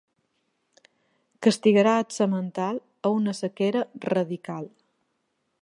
Castigarà el semental a una sequera radical.